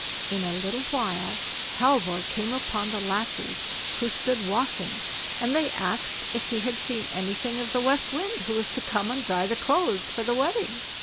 In a little while Halvor came upon the lassies who stood washing, and they asked if he had seen anything of the West Wind who was to come and dry the clothes for the wedding.